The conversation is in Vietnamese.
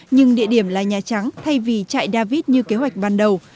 nhưng địa điểm là nhà trắng thay vì chạy david như kế hoạch ban đầu